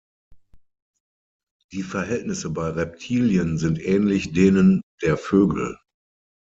Die Verhältnisse bei Reptilien sind ähnlich denen der Vögel.